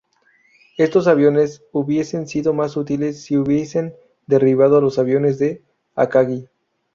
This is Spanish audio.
Estos aviones hubiesen sido más útiles si hubiesen derribado a los aviones de Akagi.